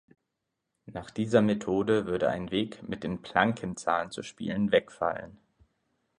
Nach dieser Methode würde ein Weg, mit den Plankennzahlen zu spielen, wegfallen.